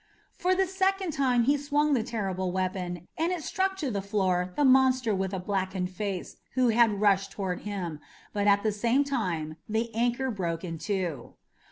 For the second time he swung the terrible weapon, and it struck to the floor the monster with a blackened face who had rushed toward him, but at the same time the anchor broke in two.